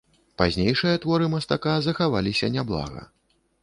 Пазнейшыя творы мастака захаваліся няблага.